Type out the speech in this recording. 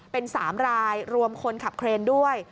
เป็น๓รายรวมคนขับเครนด้วย